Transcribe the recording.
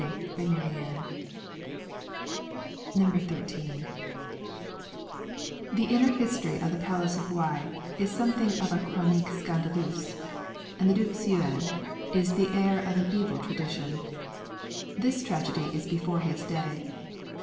13 LYRICS FROM THE CHINESE XIII The inner history of the Palace of Wei is something of a '^chronique scandaleuse, and the Duke Seuen is the heir of an evil tradition. This tragedy is before his day.